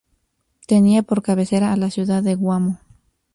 Tenía por cabecera a la ciudad de Guamo.